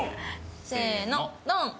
せーのドン。